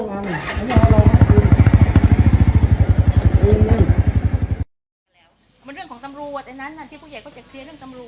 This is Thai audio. อันที่นี่